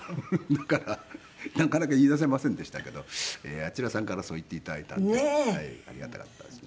だからなかなか言いだせませんでしたけどあちらさんからそう言って頂いたんでありがたかったですね。